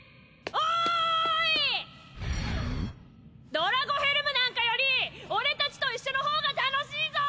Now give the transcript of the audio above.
ドラゴヘルムなんかより俺たちと一緒のほうが楽しいぞ！